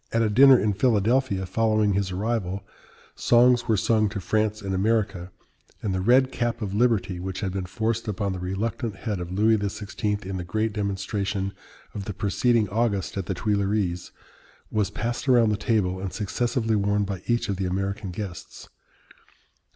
At a dinner in Philadelphia, following his arrival, songs were sung to France and America, and the red cap of liberty, which had been forced upon the reluctant head of Louis XVI. in the great demonstration of the preceding August at the Tuileries, was passed around the table and successively worn by each of the American guests.